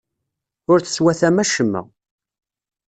Ur teswatam acemma.